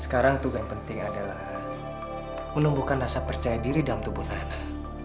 sekarang tugas penting adalah menumbuhkan rasa percaya diri dalam tubuh nana